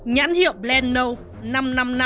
nhãn hiệu blend no năm trăm năm mươi năm